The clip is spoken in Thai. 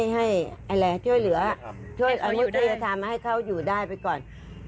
ให้ช่วยเหลือมนุษยธรรมให้เขาอยู่ได้ไปก่อน